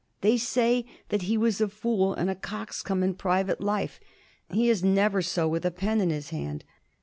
They say that he was a fool and a coxcomb in private life. He is never so with a pen in his hand.